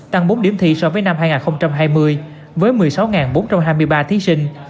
tăng bốn điểm thi so với năm hai nghìn hai mươi với một mươi sáu bốn trăm hai mươi ba thí sinh